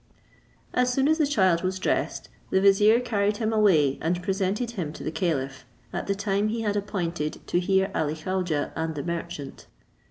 As soon as the child was dressed, the vizier carried him away and presented him to the caliph, at the time he had appointed to hear Ali Khaujeh and the merchant.